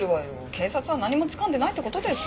警察は何もつかんでないって事でしょ？